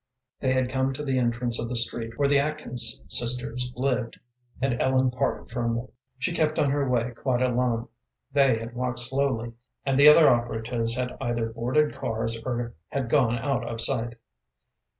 They had come to the entrance of the street where the Atkins sisters lived, and Ellen parted from them. She kept on her way quite alone. They had walked slowly, and the other operatives had either boarded cars or had gone out of sight.